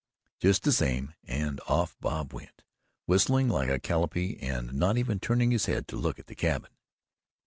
"Just the same." And off Bob went, whistling like a calliope and not even turning his head to look at the cabin.